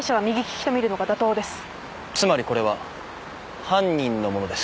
つまりこれは犯人のものです。